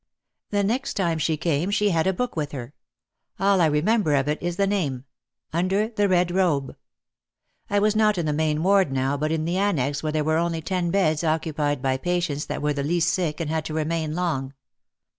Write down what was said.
The next time she came she had a book with her. All I remember of it is the name, "Under the Red Robe." I was not in the main ward now but in the annex where there were only ten beds occupied by patients that were the least sick and had to remain long.